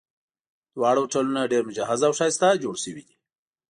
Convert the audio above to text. دواړه هوټلونه ډېر مجهز او ښایسته جوړ شوي دي.